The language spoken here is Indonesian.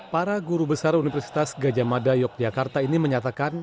para guru besar universitas gajah mada yogyakarta ini menyatakan